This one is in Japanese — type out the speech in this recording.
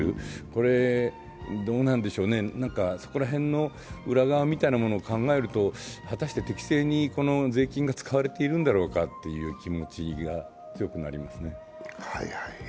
これはどうなんでしょうね、その辺の裏側みたいなをものを考えると、果たして適正に税金が使われているんだろうかという気持ちが強くなりますね。